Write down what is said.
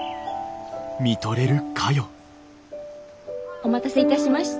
お待たせいたしました。